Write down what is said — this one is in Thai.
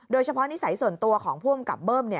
โดยเฉพาะนิสัยส่วนตัวของภูมิกับเบิ้ม